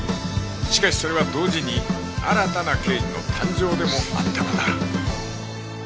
しかしそれは同時に新たな刑事の誕生でもあったのだ